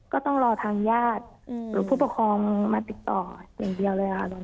ก็ต้องรอทางญาติหรือผู้ปกครองมาติดต่ออย่างเดียวเลยค่ะ